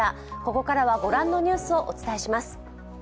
ここからは御覧のニュースをお伝えします。